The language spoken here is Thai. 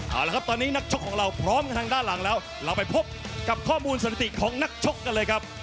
เอาละครับตอนนี้นักชกของเราพร้อมทางด้านหลังแล้วเราไปพบกับข้อมูลสถิติของนักชกกันเลยครับ